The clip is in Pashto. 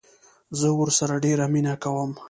زه ورسره ډيره مينه کوم